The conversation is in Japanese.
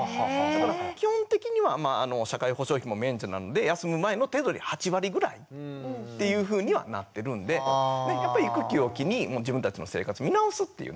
基本的にはまあ社会保障費も免除なので休む前の手取り８割ぐらいっていうふうにはなってるんでやっぱり育休を機に自分たちの生活見直すっていうね